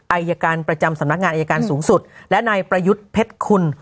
อายการประจำสำนักงานอายการสูงสุดและนายประยุทธ์เพชรคุณ